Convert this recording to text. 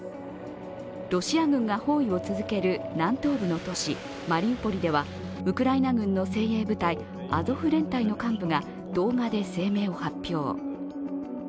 ロシア軍が包囲を続ける南東部の都市マリウポリではウクライナ軍の精鋭部隊アゾフ連隊の幹部が動画で声明を発表。